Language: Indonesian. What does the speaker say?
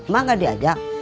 mak gak diadak